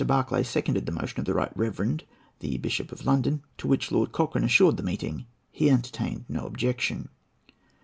Barclay seconded the motion of the Right Reverend the Bishop of London, to which Lord Cochrane assured the meeting he entertained no objection.